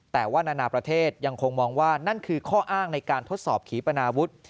แต่ว่านานาประเทศยังคงมองว่านั่นคือข้ออ้างในการทดสอบขีปนาวุฒิ